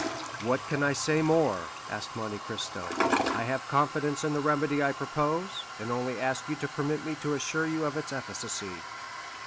"What can I say more?" asked Monte Cristo. "I have confidence in the remedy I propose, and only ask you to permit me to assure you of its efficacy."